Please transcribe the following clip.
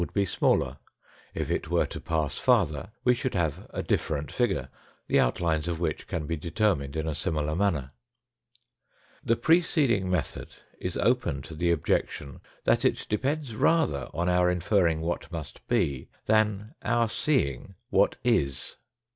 would be smaller ; if it were to pass farther, we should have a different figure, the outlines of which can be determined in a similar manner. The preceding method is open to the objection that it depends rather on our inferring what must be, than our seeing what is.